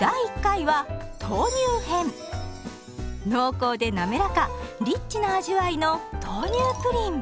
濃厚でなめらかリッチな味わいの豆乳プリン。